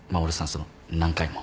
その何回も。